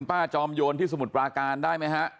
จอมโยนที่สมุทรปราการได้ไหมฮะ